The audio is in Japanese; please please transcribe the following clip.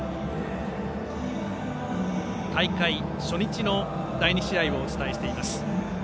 大会初日の第２試合をお伝えしています。